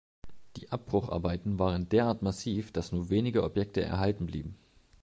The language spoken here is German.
Die Abbrucharbeiten waren derart massiv, dass nur wenige Objekte erhalten blieben.